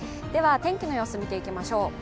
天気の様子を見ていきましょう。